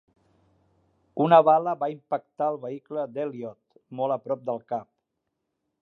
Una bala va impactar al vehicle d'Elliott, molt a prop del cap.